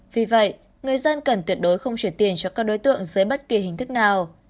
vì vậy người dân cần tuyệt đối không chuyển tiền cho các đối tượng dưới bất kỳ hình thức nào